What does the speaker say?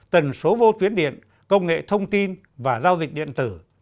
tần số vô tuyến điện công nghệ thông tin và giao dịch điện tử